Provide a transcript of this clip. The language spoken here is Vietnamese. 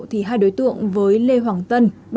thì hai đối tượng với lê hoàng tân